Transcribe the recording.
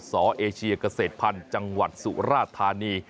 เอเชียเกษตรพันธุ์จังหวัดสุราธานี